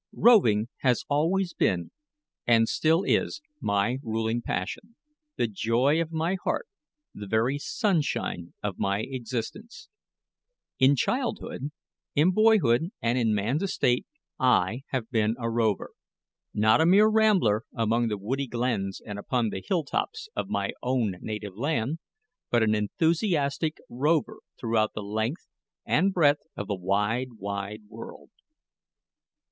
Roving has always been, and still is, my ruling passion, the joy of my heart, the very sunshine of my existence. In childhood, in boyhood, and in man's estate I have been a rover; not a mere rambler among the woody glens and upon the hill tops of my own native land, but an enthusiastic rover throughout the length and breadth of the wide, wide world.